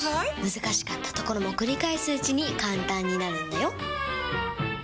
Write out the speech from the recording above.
難しかったところも繰り返すうちに簡単になるんだよ！